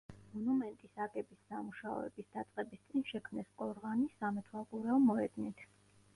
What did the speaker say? მონუმენტის აგების სამუშაოების დაწყების წინ შექმნეს ყორღანი, სამეთვალყურეო მოედნით.